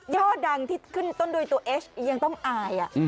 ดังที่ขึ้นต้นโดยตัวเอชยังต้องอาย